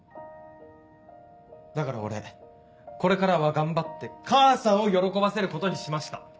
だから俺これからは頑張って母さんを喜ばせることにしました。